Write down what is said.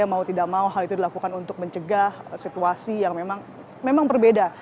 mau tidak mau hal itu dilakukan untuk mencegah situasi yang memang berbeda